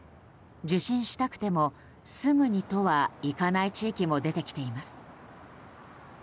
受診したくても、すぐにとはいかない地域も出てきています。